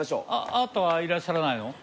あなたはいらっしゃらないの？